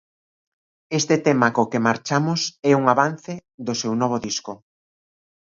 Este tema co que marchamos é un avance do seu novo disco.